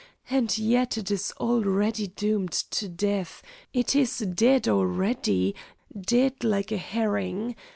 And yet it is already doomed to death, it is dead already, dead like a herring.